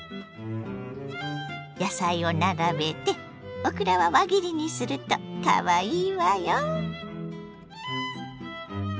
野菜を並べてオクラは輪切りにするとかわいいわよ。